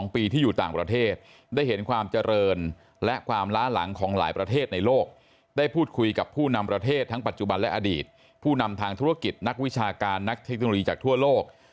เพราะประเทศทั้งปัจจุบันและอดีตผู้นำทางธุรกิจนักวิชาการนักเทคโนโลยีจากทั่วโลก